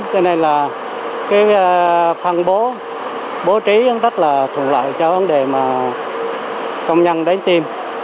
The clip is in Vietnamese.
cho nên là phần bố trí rất là thuận lợi cho vấn đề công nhân đánh tiêm